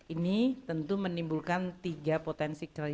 ini tentu menimbulkan tiga potensi